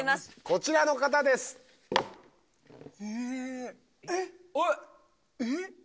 こちらの方です・え・えっ？